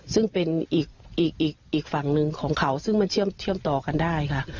ซึ่งเป็นอีกฝั่งหนึ่งของเขาซึ่งมันเชื่อมต่อกันได้ค่ะ